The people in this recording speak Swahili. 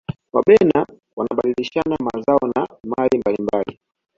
wabena wanabadilishana mazao na mali mbalimbali